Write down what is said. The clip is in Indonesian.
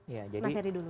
mas seri dulu deh